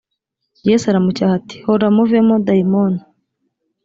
yesu aramucyaha ati hora muvemo dayimoni